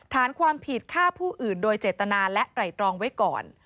ฐานความผิดฆ่าผู้อื่นโดยเจตนาและไตรตรองไว้ก่อน